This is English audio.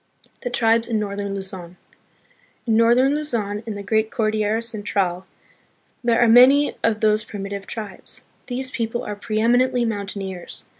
The Tribes in Northern Luzon. In northern Luzon, in the great Cordillera Central, there are many of these primi tive tribes. These people are preeminently mountaineers.